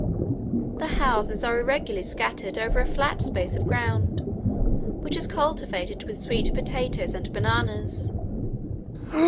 The houses are irregularly scattered over a flat space of ground, which is cultivated with sweet potatoes and bananas.